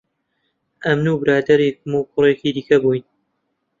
ئەمن و برادەرێکم و کوڕێکی دیکە بووین